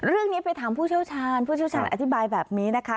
เรื่องนี้ไปถามผู้เชี่ยวชาญผู้เชี่ยวชาญอธิบายแบบนี้นะคะ